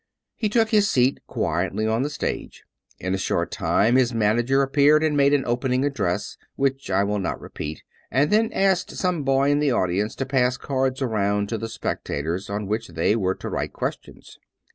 He took his seat quietly on the stage. In a short time his manager appeared and made an opening address, which I will not repeat, and then asked some boy in the audience to pa^ cards around to the spectators on which they were to write questions.